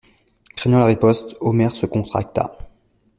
Craignant la riposte, Omer se contracta.